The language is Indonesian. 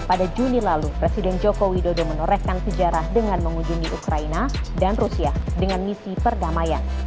pada juni lalu presiden joko widodo menorehkan sejarah dengan mengunjungi ukraina dan rusia dengan misi perdamaian